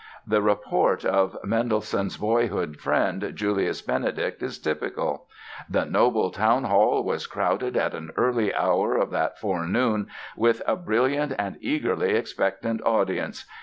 The report of Mendelssohn's boyhood friend, Julius Benedict, is typical: "The noble Town Hall was crowded at an early hour of that forenoon with a brilliant and eagerly expectant audience....